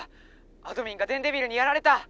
あどミンが電デビルにやられた！」。